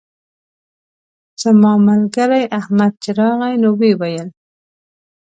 زما ملګری احمد چې راغی نو ویې ویل.